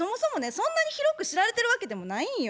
そんなに広く知られてるわけでもないんよ。